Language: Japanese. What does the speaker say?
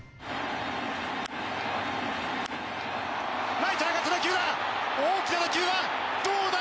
ライトへ上がった打球は大きな打球はどうだ？